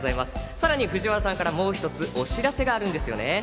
さらに藤原さんから、もう一つお知らせがあるんですよね。